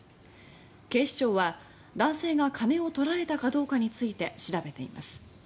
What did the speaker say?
警視庁は、男性が金を盗られたかどうかについて調べています。